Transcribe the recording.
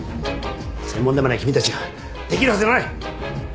専門でもない君たちができるはずがない！